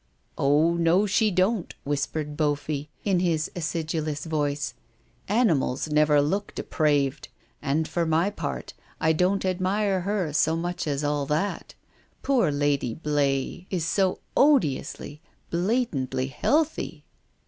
" Oh, no, she don't," whispered Beaufy in his acidulous voice ;" animals never look depraved. And for my part, I don't admire her so much as all that. Poor Lady Blay is so odiously, blatantly healthy."